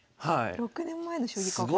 ６年前の将棋かこれは。